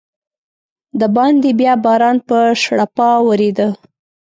دباندې بیا باران په شړپا ورېده.